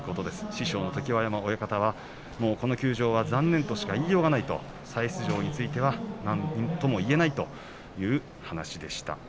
師匠の常盤山親方はこの休場は残念と言うしかないと再出場についてはなんとも言えないという話でした。